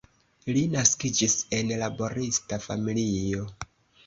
Li naskiĝis en laborista familio.